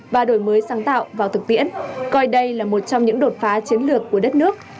và đổi mới sáng tạo vào thực tiễn coi đây là một trong những đột phá chiến lược của đất nước